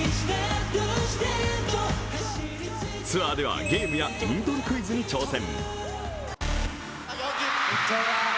ツアーではゲームやイントロクイズに挑戦。